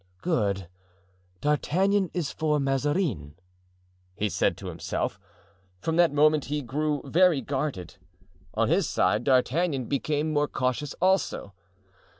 "Good! D'Artagnan is for Mazarin," he said to himself. From that moment he grew very guarded. On his side D'Artagnan became more cautious also.